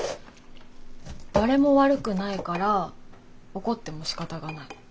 誰も悪くないから怒ってもしかたがない。